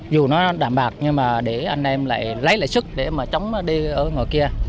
dù nó đảm bạc nhưng mà để anh em lại lấy lại sức để mà chống đi ở ngoài kia